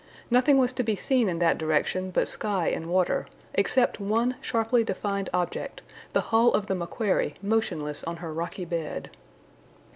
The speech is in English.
Nothing was to be seen in that direction but sky and water, except one sharply defined object, the hull of the MACQUARIE motionless on her rocky bed.